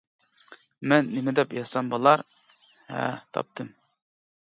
مەن نېمە دەپ يازسام بولار؟ ھە تاپتىم!